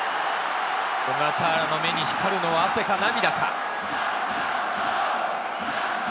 小笠原の目に光るのは汗か涙か。